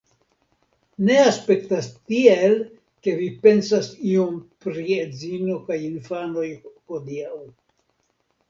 Ne aspektas tiel, ke vi pensas iom pri edzino kaj infanoj hodiaŭ.